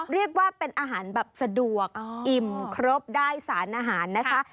เรียกว่าเป็นอาหารแบบสะดวกอิ่มครบได้สารอาหารนะคะ